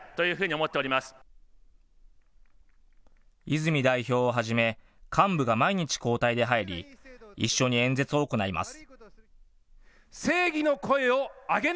泉代表をはじめ幹部が毎日交代で入り、一緒に演説を行います。